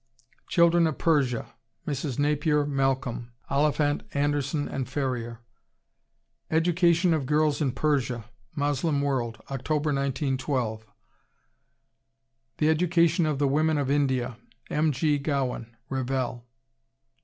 Children of Persia, Mrs. Napier Malcolm, (Oliphant, Anderson & Ferrier.) Education of Girls in Persia, Moslem World, Oct., 1912. The Education of the Women of India, M. G. Gowan, (Revell.)